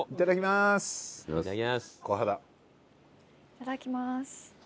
いただきます。